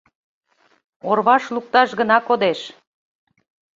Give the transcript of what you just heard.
— Орваш лукташ гына кодеш.